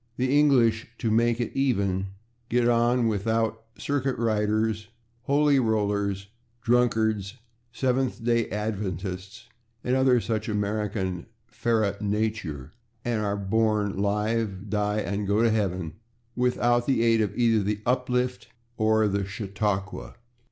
The English, to make it even, get on without /circuit riders/, /holy rollers/, /Dunkards/, /Seventh Day Adventists/ and other such American /ferae naturae/, and are born, live, die and go to heaven without the aid of either the /uplift/ or the /chautauqua